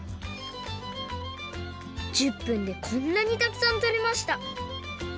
１０分でこんなにたくさんとれました。